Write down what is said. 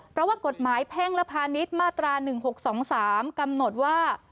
เพราะว่ากฎหมายแพ่งและพาณิชย์มาตรา๑๖๒๓กำหนดว่า